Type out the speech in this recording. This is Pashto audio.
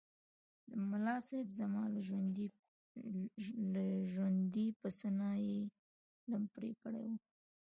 ملاصاحب! زما له ژوندي پسه نه یې لم پرې کړی و.